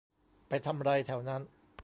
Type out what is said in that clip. ไปทำไรแถวนั้น